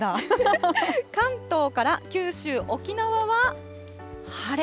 関東から九州、沖縄は晴れ。